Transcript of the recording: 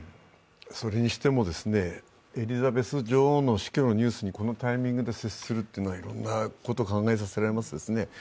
それにしても、エリザベス女王の死去のニュースにこのタイミングで接するというのはいろんなことを考えさせられますね。